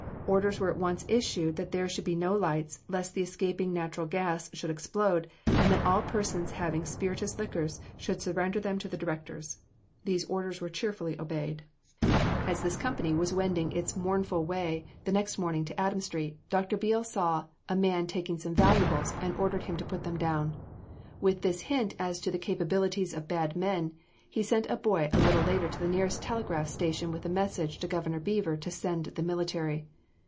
Orders were at once issued that there should be no lights, lest the escaping natural gas should explode, and that all persons having spirituous liquors should surrender them to the directors. These orders were cheerfully obeyed. As this company was wending its mournful way the next morning to Adam street, Dr. Beale saw a man taking some valuables, and ordered him to put them down. With this hint as to the capabilities of bad men, he sent a boy a little later to the nearest telegraph station with a message to Governor Beaver to send the military.